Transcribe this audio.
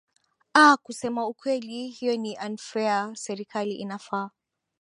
aa kusema ukweli hiyo ni unfair serikali inafaa